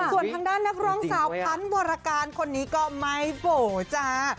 ส่วนทางด้านนักร้องสาวพันธ์วรการคนนี้ก็ไม่โบ๋จ้า